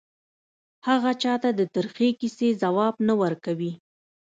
هغه چا ته د ترخې کیسې ځواب نه ورکوي